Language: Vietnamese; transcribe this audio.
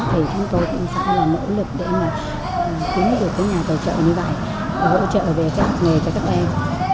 thì chúng tôi cũng sẽ là nỗ lực để mà tìm được cái nhà tài trợ như vậy hỗ trợ về cho học nghề cho các em